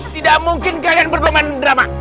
tidak mungkin kalian berdua main drama